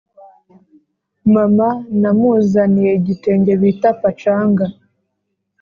Mama namuzaniye igitenge bita pacanga